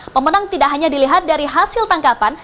pemenang tidak hanya dilihat dari hasil tangkapan